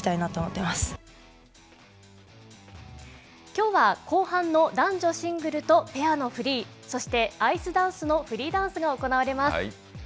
きょうは後半の男女シングルとペアのフリー、そしてアイスダンスのフリーダンスが行われます。